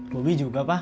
bobby juga pak